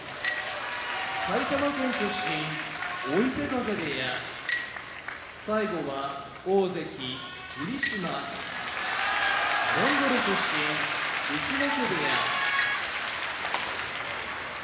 埼玉県出身追手風部屋大関・霧島モンゴル出身陸奥部屋